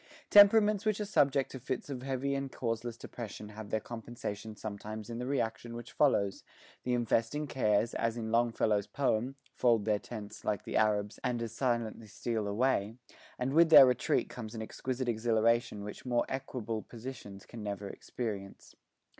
Temperaments which are subject to fits of heavy and causeless depression have their compensations sometimes in the reaction which follows; the infesting cares, as in Longfellow's poem, 'fold their tents, like the Arabs, and as silently steal away,' and with their retreat comes an exquisite exhilaration which more equable dispositions can never experience.